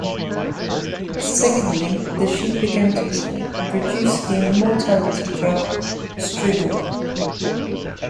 Secondly, the sheep began to produce the immortality drug stroon.